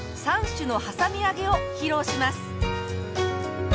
３種のはさみ揚げを披露します！